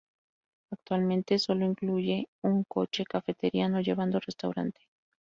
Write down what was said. Actualmente sólo incluye un coche cafetería no llevando restaurante.